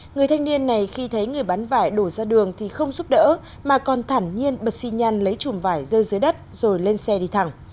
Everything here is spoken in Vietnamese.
người thanh niên này khi thấy người bán vải đổ ra đường thì không giúp đỡ mà còn thẳng nhiên bật xi nhăn lấy chùm vải rơi dưới đất rồi lên xe đi thẳng